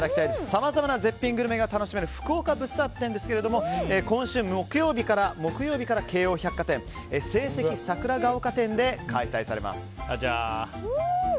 さまざまな絶品グルメが楽しめる福岡物産展ですが今週木曜日から京王百貨店聖蹟桜ヶ丘店で開催されます。